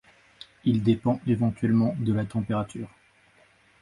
Il dépend éventuellement de la température.